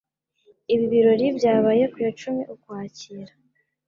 Ibi birori byabaye ku ya cumi Ukwakira